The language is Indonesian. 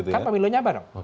kan pemilihannya bareng